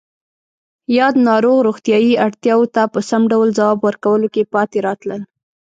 یاد ناروغ روغتیایی اړتیاوو ته په سم ډول ځواب ورکولو کې پاتې راتلل